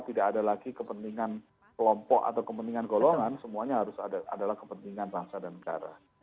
tidak ada lagi kepentingan kelompok atau kepentingan golongan semuanya harus adalah kepentingan bangsa dan negara